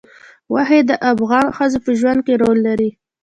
غوښې د افغان ښځو په ژوند کې رول لري.